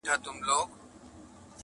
ګلان راوړه سپرلیه د مودو مودو راهیسي.